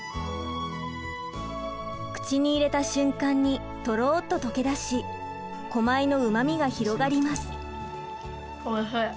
口に入れた瞬間にトロッと溶けだしコマイのうまみが広がります。